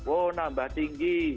oh nambah tinggi